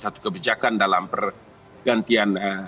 satu kebijakan dalam pergantian